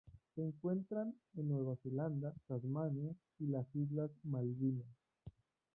Se encuentran en Nueva Zelanda, Tasmania y las Islas Malvinas.